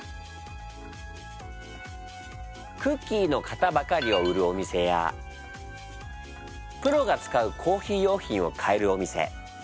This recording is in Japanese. クッキーの型ばかりを売るお店やプロが使うコーヒー用品を買えるお店。